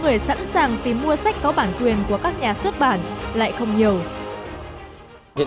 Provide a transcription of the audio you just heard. nhưng số người sẵn sàng tìm mua sách có bản quyền của các nhà xuất bản lại không nhiều